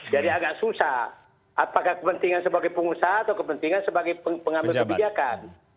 jadi agak susah apakah kepentingan sebagai pengusaha atau kepentingan sebagai pengambil kebijakan